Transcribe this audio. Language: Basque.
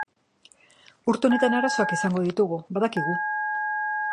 Urte honetan arazoak izango ditugu, badakigu.